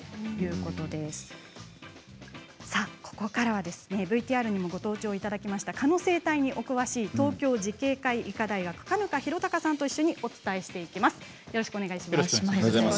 ここからＶＴＲもご登場いただきました蚊の生態にお詳しい東京慈恵会医科大学嘉糠洋陸さんと一緒にお伝えしていきます。